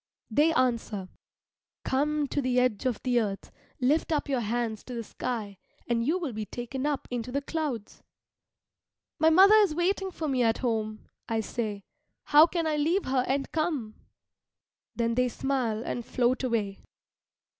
They answer, "Come to the edge of the earth, lift up your hands to the sky, and you will be taken up into the clouds." "My mother is waiting for me at home," I say. "How can I leave her and come?" Then they smile and float away.